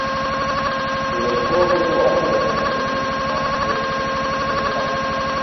He was pulled from the water and taken to Monaco's Princess Grace Hospital.